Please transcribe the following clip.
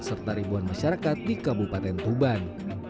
serta ribuan masyarakat di kabupaten tuban